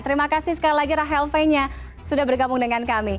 terima kasih sekali lagi rahel fenya sudah bergabung dengan kami